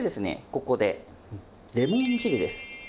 ここでレモン汁です。